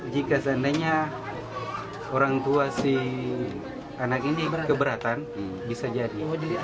jika seandainya orang tua si anak ini keberatan bisa jadi